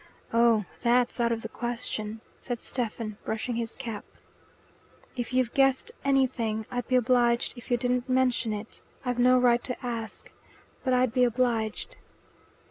"Oh, THAT'S out of the question," said Stephen, brushing his cap. "If you've guessed anything, I'd be obliged if you didn't mention it. I've no right to ask, but I'd be obliged."